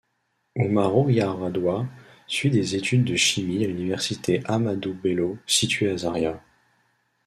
Umaru Yar'Adua suit des études de chimie à l'université Ahmadu Bello, située à Zaria.